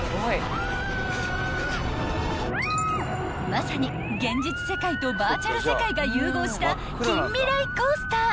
［まさに現実世界とバーチャル世界が融合した近未来コースター］